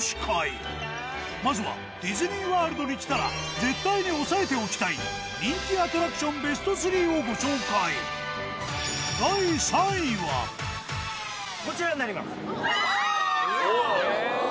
まずはディズニー・ワールドに来たら絶対に押さえておきたい人気アトラクションベスト３をご紹介うわぁ！